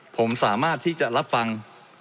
ผมสามารถที่จะรับฟัง